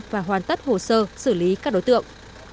và hoàn tất hồ sơ xử lý các đối tượng